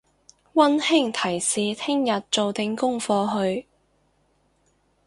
溫馨提示聽日做定功課去！